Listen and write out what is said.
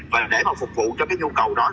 và để phục vụ cho nhu cầu đó